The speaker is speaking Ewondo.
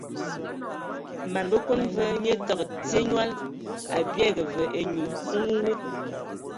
Man Bəkon va nye təgə tye nyɔl, a biege va enyum nwuwub.